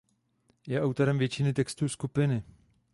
Je autorem většiny textů skupiny.